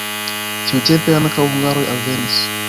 Tiutempe ankaŭ hungaroj alvenis.